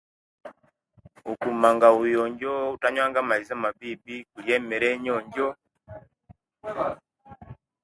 Nkumanga buyonjo okutanywa amaizi amabibi nemere enjojo.